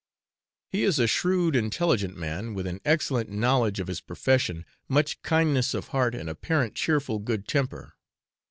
He is a shrewd, intelligent man, with an excellent knowledge of his profession, much kindness of heart, and apparent cheerful good temper.